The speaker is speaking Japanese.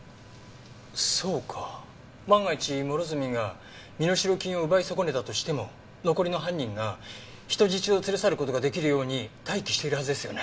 そうか万が一諸角が身代金を奪い損ねたとしても残りの犯人が人質を連れ去る事が出来るように待機しているはずですよね。